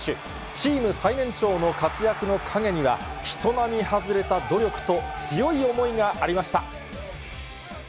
チーム最年長の活躍の陰には、人並み外れた努力と強い思いがありました。